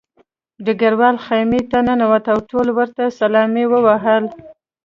ډګروال خیمې ته ننوت او ټولو ورته سلامي ووهله